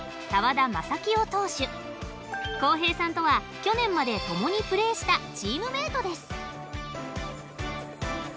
浩平さんとは去年まで共にプレーしたチームメートです。